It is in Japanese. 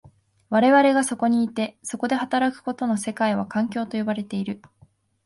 我々がそこにいて、そこで働くこの世界は、環境と呼ばれている。